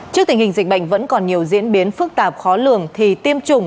trước tình hình dịch bệnh vẫn còn nhiều diễn biến phức tạp khó lường thì tiêm chủng